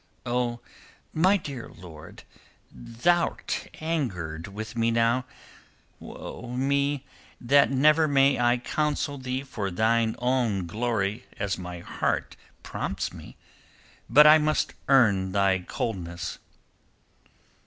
"O my dear lord, thou'rt angered with me now. Woe me! that never may I counsel thee for thine own glory as my heart prompts me, but I must earn thy coldness."